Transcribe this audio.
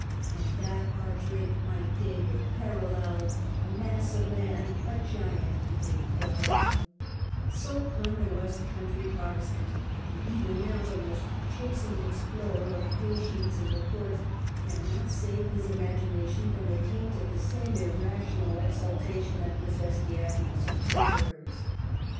And that our Drake might David parallel, A moM of Man, a gyant he did quelL So punned a west country Protestant; and even now the most chastened explorer of pay sheets and reports cannot save his imagination from the taint of the same irrational exultation that possessed the Admiral's contemporaries.